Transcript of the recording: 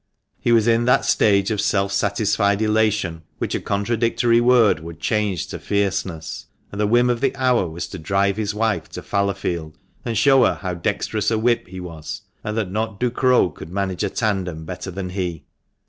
He was in that stage of self satisfied elation which a contradictory word would change to fierceness, and the whim of the hour was to drive his wife to Fallowfield, and show her how dexterous a whip he was, and that not Ducrow could manage a tandem better than he.